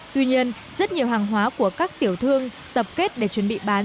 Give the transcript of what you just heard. tuy nhiên rất nhiều hàng hóa của các tiểu thương tập kết để chuẩn bị bán